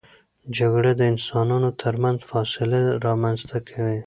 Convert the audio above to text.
جګړه د انسانانو ترمنځ فاصله رامنځته کوي.